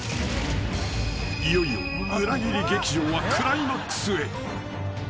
［いよいよ裏切り劇場はクライマックスへ］